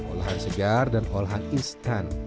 olahan segar dan olahan instan